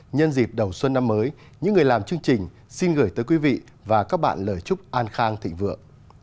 nhân dịp đầu xuân năm mới những người làm chương trình xin gửi tới quý vị và các bạn lời chúc an khang thịnh vượng